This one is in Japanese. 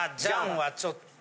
ちょっと。